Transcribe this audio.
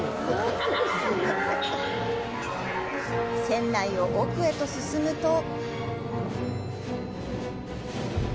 船内を奥へ進むと。